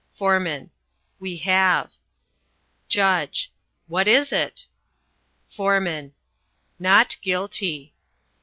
Foreman. "We have." Judge. "What is it?" Foreman. "NOT GUILTY."